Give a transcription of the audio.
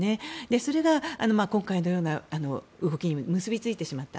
それが今回のような動きにも結びついてしまった。